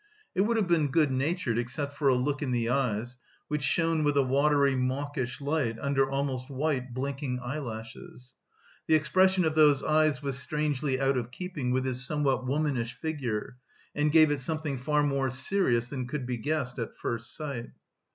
It would have been good natured except for a look in the eyes, which shone with a watery, mawkish light under almost white, blinking eyelashes. The expression of those eyes was strangely out of keeping with his somewhat womanish figure, and gave it something far more serious than could be guessed at first sight.